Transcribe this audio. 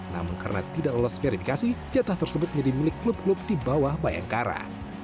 namun karena tidak lolos verifikasi jatah tersebut menjadi milik klub klub di bawah bayangkara